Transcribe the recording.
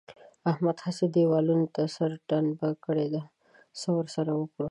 احمد هسې دېوال ته سر ټنبه کړی دی؛ څه ور سره وکړو؟!